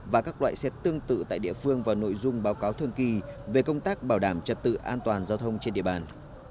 và các loại xe tương tự tại địa phương vào nội dung báo cáo thường kỳ về công tác bảo đảm trật tự an toàn giao thông trên địa bàn